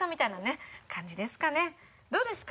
どうですか？